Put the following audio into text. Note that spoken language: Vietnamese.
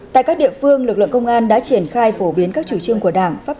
tại các địa phương lực lượng công an đã triển khai phổ biến các chủ trương của đảng pháp